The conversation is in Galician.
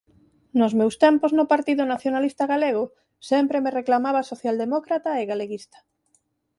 Nos meus tempos no Partido Nacionalista Galego sempre me reclamaba socialdemócrata e galeguista.